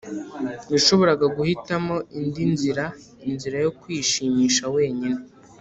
yashoboraga guhitamo indi nzira, inzira yo kwishimisha wenyine